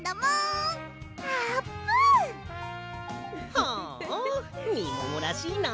はあみももらしいな。